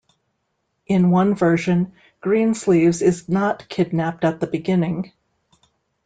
In one version, Greensleeves is not kidnapped at the beginning.